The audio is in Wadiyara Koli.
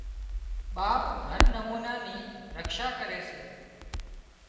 ٻاپ هر نمونا نِي رڪشا ڪري سي